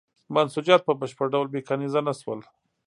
منسوجات په بشپړ ډول میکانیزه نه شول.